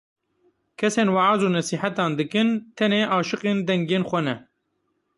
Kesên weaz û nesîhetan dikin, tenê aşiqên dengên xwe ne.